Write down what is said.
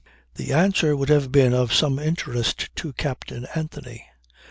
The answer would have been of some interest to Captain Anthony.